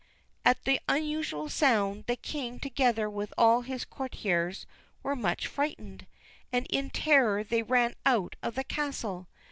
At the unusual sound, the king, together with all his courtiers, were much frightened, and in terror they ran out of the castle.